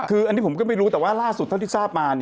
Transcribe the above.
คืออันนี้ผมก็ไม่รู้แต่ว่าล่าสุดเท่าที่ทราบมา